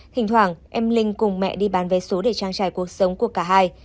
thỉnh thoảng em linh cùng mẹ đi bàn vé số để trang trải cuộc sống của cả hai